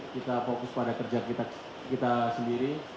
kita fokus pada kerja kita sendiri